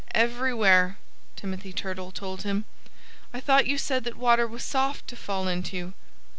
"Everywhere!" Timothy Turtle told him. "I thought you said that water was soft to fall into."